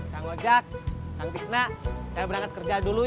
kang wojak kang bisna saya berangkat kerja dulu ya